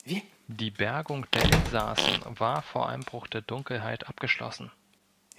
Die Bergung der Insassen war vor Einbruch der Dunkelheit abgeschlossen.